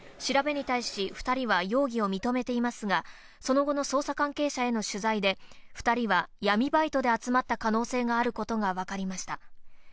調べに対し２人は容疑を認めていますが、その後の捜査関係者への取材で、２人は闇バイトで集まった可能性があることがわかりました。